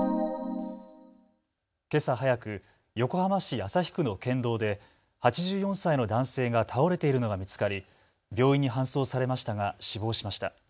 けさ早く横浜市旭区の県道で８４歳の男性が倒れているのが見つかり病院に搬送されましたが死亡しました。